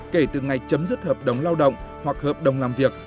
kể từ ngày chấm dứt hợp đồng lao động hoặc hợp đồng làm việc